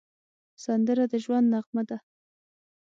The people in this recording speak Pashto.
سندره د ژوند نغمه ده